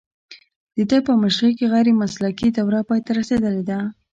د ده په مشرۍ کې غیر مسلکي دوره پای ته رسیدلې ده